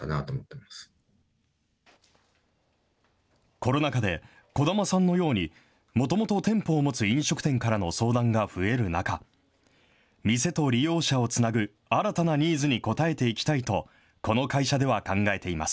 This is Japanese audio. コロナ禍で、児玉さんのように、もともと店舗を持つ飲食店からの相談が増える中、店と利用者をつなぐ新たなニーズに応えていきたいと、この会社では考えています。